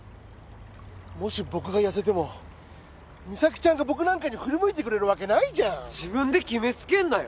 もし僕が痩せてもミサキちゃんが僕なんかに振り向いてくれるわけないじゃん自分で決めつけんなよ